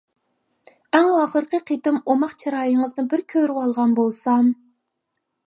ئەڭ ئاخىرقى قېتىم ئوماق چىرايىڭىزنى بىر كۆرۈۋالغان بولسام!